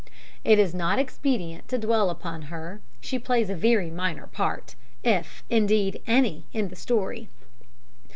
"It is not expedient to dwell upon her she plays a very minor part, if, indeed, any, in the story.